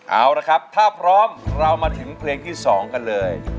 เอาละครับถ้าพร้อมเรามาถึงเพลงที่๒กันเลย